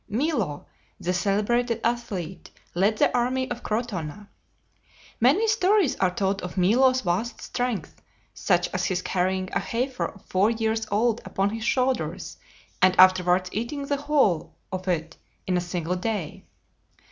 Milo, the celebrated athlete, led the army of Crotona. Many stories are told of Milo's vast strength, such as his carrying a heifer of four years old upon his shoulders and afterwards eating the whole of it in a single day.